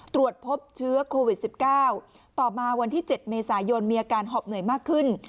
ตรวจพบเชื้อโควิด๑๙ต่อมาวันที่๗เมษายนมีอาการหอบเหนื่อยมากขึ้น